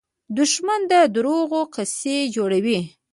دښمن د دروغو قصې جوړوي